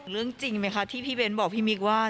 เรื่องจริงไหมคะที่พี่เบ้นบอกพี่มิ๊กว่า